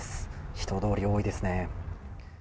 人通り多いですね。